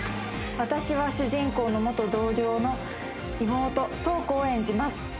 私は主人公の元同僚の妹東子を演じます